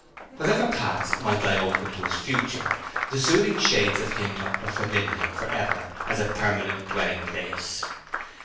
Whatever paths might lie open to his future, the soothing shades of Hintock were forbidden him forever as a permanent dwelling place.